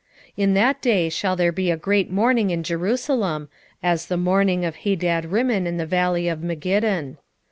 12:11 In that day shall there be a great mourning in Jerusalem, as the mourning of Hadadrimmon in the valley of Megiddon.